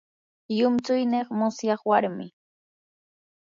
llumtsuynii musyaq warmin.